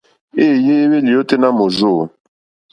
Éèyé éhwélì ôténá mòrzô.